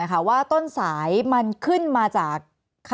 แอนตาซินเยลโรคกระเพาะอาหารท้องอืดจุกเสียดแสบร้อน